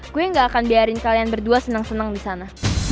gue gak akan biarin kalian berdua seneng seneng disana